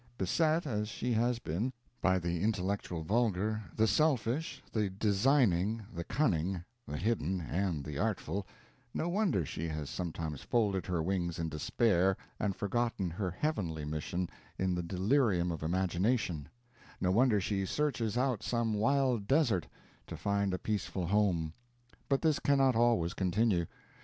Beset, as she has been, by the intellectual vulgar, the selfish, the designing, the cunning, the hidden, and the artful no wonder she has sometimes folded her wings in despair, and forgotten her _heavenly _mission in the delirium of imagination; no wonder she searches out some wild desert, to find a peaceful home. But this cannot always continue.